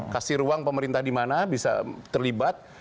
kasih ruang pemerintah di mana bisa terlibat